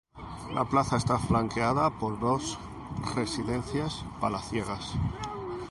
La plaza está flanqueada por dos residencias palaciegas.